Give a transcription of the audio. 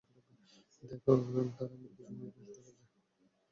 দেখ, তারা আমার পিছু নিতে শুরু করেছে।